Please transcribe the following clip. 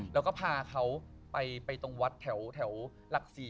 แล้วก็พาเขาไปตรงวัดแถวหลัก๔